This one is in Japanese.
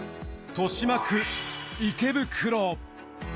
豊島区池袋。